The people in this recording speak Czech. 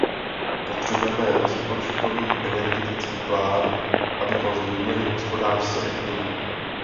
Potřebujeme rozpočtový energetický plán, abychom změnili hospodářské klima.